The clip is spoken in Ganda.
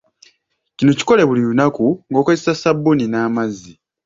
Kino kikole buli lunaku ng’okozesa ssabbuuni n’amazzi.